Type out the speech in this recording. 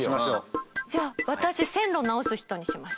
じゃあ私線路を直す人にします。